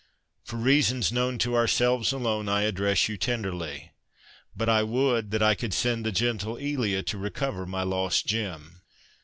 For reasons known to ourselves alone I address you tenderly. But I would that I could send the gentle Elia to recover my lost gem.